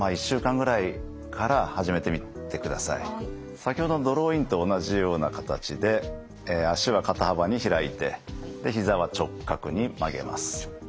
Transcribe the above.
先ほどのドローインと同じような形で足は肩幅に開いてひざは直角に曲げます。